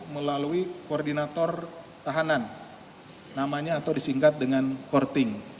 melalui koordinator tahanan namanya atau disingkat dengan korting